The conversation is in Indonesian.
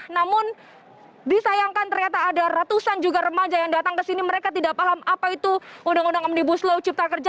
namun disayangkan ternyata ada ratusan juga remaja yang datang ke sini mereka tidak paham apa itu undang undang omnibus law cipta kerja